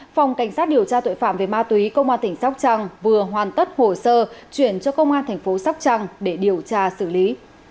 phòng cảnh sát điều tra tội phạm về ma túy công an tỉnh sóc trăng vừa hoàn tất hồ sơ chuyển cho công an thành phố sóc trăng để điều tra xử lý